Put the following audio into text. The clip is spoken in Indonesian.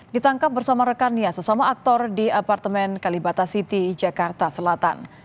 ditangkap bersama rekannya sesama aktor di apartemen kalibata city jakarta selatan